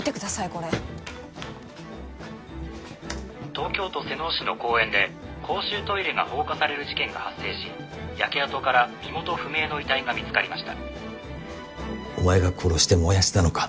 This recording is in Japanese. これ東京都妹尾市の公園で公衆トイレが放火される事件が発生し焼け跡から身元不明の遺体が見つかりましたお前が殺して燃やしたのか？